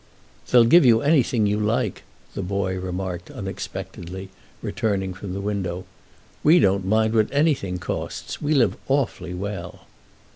"They'll give you anything you like," the boy remarked unexpectedly, returning from the window. "We don't mind what anything costs—we live awfully well."